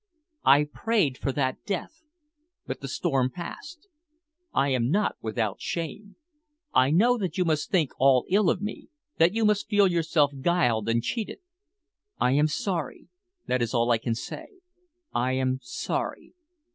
I prayed for that death, but the storm passed. I am not without shame. I know that you must think all ill of me, that you must feel yourself gulled and cheated. I am sorry that is all I can say I am sorry.